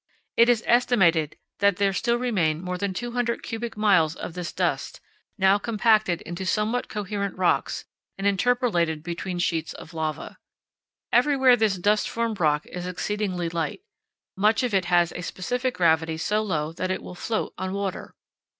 It is estimated that there still remain more than two hundred cubic miles of this dust, now compacted into somewhat coherent rocks and interpolated between sheets of lava. Everywhere this dust formed rock is exceedingly light. Much of it has a specific gravity so low that it will float on water.